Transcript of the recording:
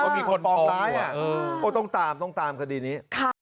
มีคนปลอกด้วยต้องตามต้องตามคดีนี้ค่ะ